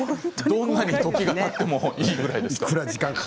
どんなに時がたってもいいぐらいですか。